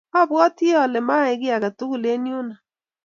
Abwoti ale maiyai kiy age tugul eng' yuno